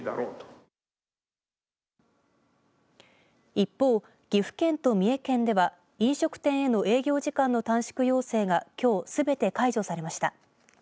一方、岐阜県と三重県では飲食店への営業時間の短縮要請がきょう、すべて解除されました。